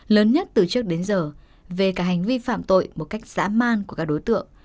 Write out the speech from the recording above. lớn nhất từ trước đến giờ về cả hành vi phạm tội một cách dã man của các đối tượng